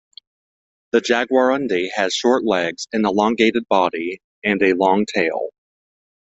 The jaguarundi has short legs, an elongated body, and a long tail.